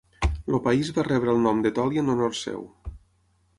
El país va rebre el nom d'Etòlia en honor seu.